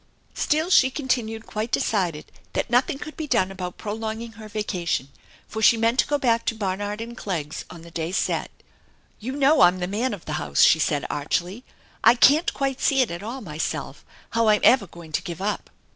Still she continued quite decided that nothing could be THE ENCHANTED BARN SOS done about prolonging her vacation, for she meant to go back to Barnard and Clegg's on the day set. " You know I'm the man of the house/' she said archly. "I can't quite see it at all myself how I'm ever going to give up."